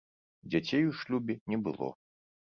Дзяцей у шлюбе не было.